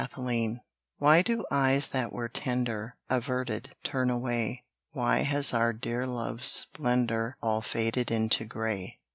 WHY Why do eyes that were tender, Averted, turn away? Why has our dear love's splendour All faded into gray?